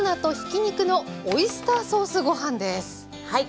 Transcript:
はい。